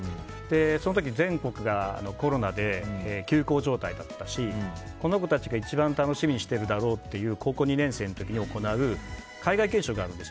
その時に全国がコロナで休校状態だったしこの子たちが一番楽しみにしているだろうという高校２年生の時に行う海外研修があるんです。